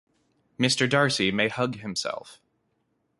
Mr. Darcy may hug himself.